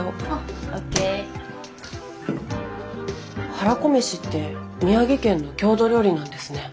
はらこ飯って宮城県の郷土料理なんですね。